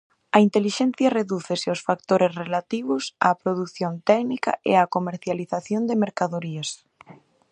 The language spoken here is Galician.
A intelixencia redúcese aos factores relativos á produción técnica e á comercialización de mercadorías.